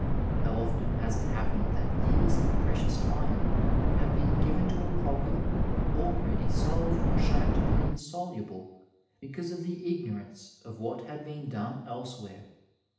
How often has it happened that y^ars of precious time have been given to a problem already solved or shown to be insoluble, because of the igncHrance of what had been done elsewhere.